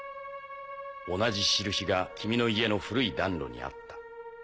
同じ印が君の家の古い暖炉にあった。